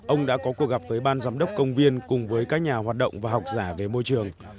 ông đã có cuộc gặp với ban giám đốc công viên cùng với các nhà hoạt động và học giả về môi trường